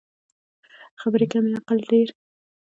خبرې کمې عمل ډیر